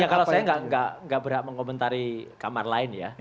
ya kalau saya nggak berhak mengomentari kamar lain ya